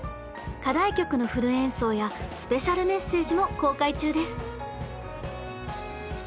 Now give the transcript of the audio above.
課題曲のフル演奏やスペシャルメッセージも公開中です！